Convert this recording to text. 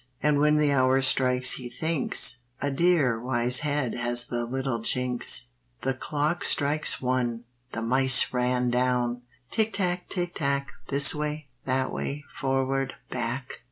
And when the hour strikes he thinks, (A dear, wise head has the little Ginx!) "The clock strikes one, The mice ran down!" Tick tack! tick tack! This way, that way, forward, back!